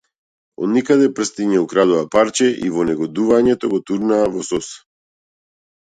Од никаде прстиња украдоа парче и во негодување го турнаа во сос.